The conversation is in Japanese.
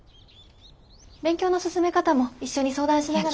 勉強の進め方も一緒に相談しながら。